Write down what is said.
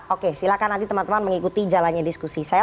oke silahkan nanti teman teman mengikuti jalannya diskusi saya